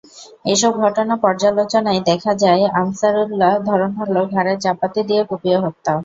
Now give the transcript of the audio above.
এসব ঘটনা পর্যালোচনায় দেখা যায়, আনসারুল্লাহর ধরন হলো, ঘাড়ে চাপাতি দিয়ে কুপিয়ে হত্যা।